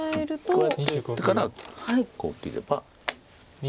こうやって打ってからこう切れば。